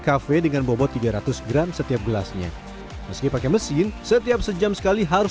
cafe dengan bobot tiga ratus gram setiap gelasnya meski pakai mesin setiap sejam sekali harus